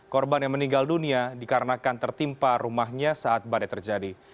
korban yang meninggal dunia dikarenakan tertimpa rumahnya saat badai terjadi